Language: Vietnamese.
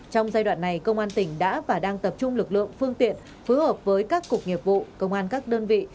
trong giai đoạn này công an tỉnh đã và đang tập trung lực lượng phương tiện phối hợp với các cục nghiệp vụ công an các đơn vị